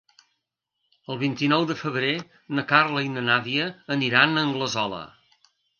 El vint-i-nou de febrer na Carla i na Nàdia aniran a Anglesola.